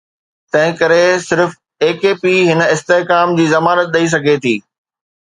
تنهنڪري صرف AKP هن استحڪام جي ضمانت ڏئي سگهي ٿي.